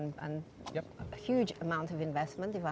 dan banyak uang yang diinvestasikan